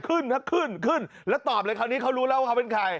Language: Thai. ขึ้นถ้าขึ้นขึ้นแล้วตอบเลยคราวนี้เขารู้แล้วว่าเขาเป็นใคร